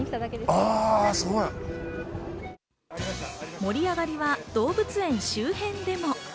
盛り上がりは動物園周辺でも。